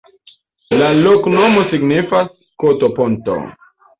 La loknomo signifas: koto-ponto.